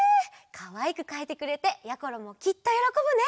かわいくかいてくれてやころもきっとよろこぶね！